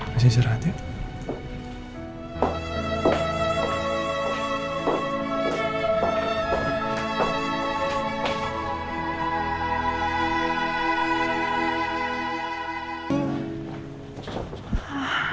bersih sih rata ya